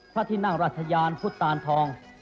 พระที่นั่งราชยานพุทธตานทอง